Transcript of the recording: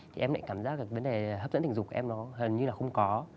thì em lại cảm giác được vấn đề hấp dẫn tình dục của em nó gần như là không có